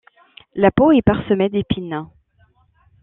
La peau est parsemée d'épines.